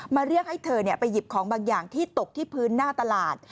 เรียกให้เธอไปหยิบของบางอย่างที่ตกที่พื้นหน้าตลาด